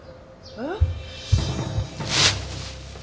えっ？